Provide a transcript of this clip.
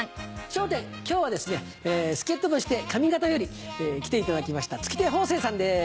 『笑点』今日はですね助っ人として上方より来ていただきました月亭方正さんです。